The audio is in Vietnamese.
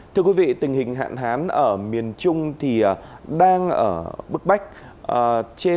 thưa quý vị tình hình hạn hán ở miền trung thì đang ở bức bách